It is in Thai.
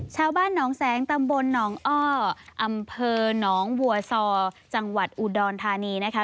ชาวบ้านหนองแสงตำบลหนองอ้ออำเภอหนองบัวซอจังหวัดอุดรธานีนะคะ